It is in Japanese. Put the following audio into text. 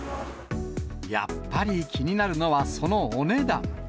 やっぱり気になるのはそのお値段。